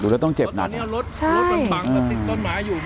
ดูแล้วต้องเจ็บหนัก